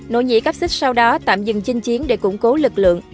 nội nhị cáp xích sau đó tạm dừng chinh chiến để củng cố lực lượng